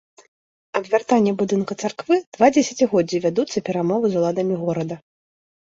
Аб вяртанні будынка царквы два дзесяцігоддзі вядуцца перамовы з уладамі горада.